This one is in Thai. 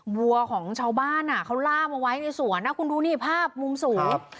วัวของชาวบ้านเขาล่ามเอาไว้ในสวนนะคุณดูนี่ภาพมุมสูง